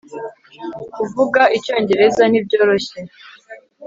kuvuga icyongereza ntibyoroshye